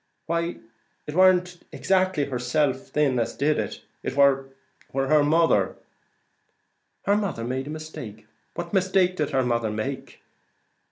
"Why it warn't exactly herself thin as did it; it war her mother." "Her mother made a mistake! What mistake did her mother make?"